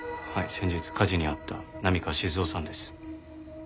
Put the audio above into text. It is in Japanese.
先日火事に遭った波川志津雄さんです。